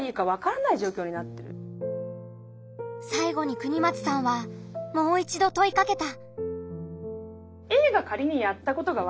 さいごに國松さんはもう一度問いかけた。